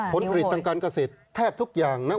ผลผลิตทางการเกษตรแทบทุกอย่างนะ